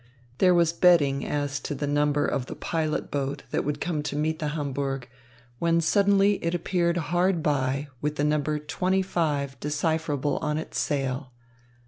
There was betting as to the number of the pilot boat that would come to meet the Hamburg, when suddenly it appeared hard by, with the number "25" decipherable on its sail.